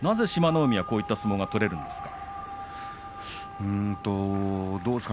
海はこういった相撲が取れるんですか。